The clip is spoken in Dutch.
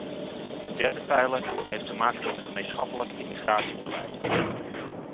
De derde pijler heeft te maken met een gemeenschappelijk immigratiebeleid.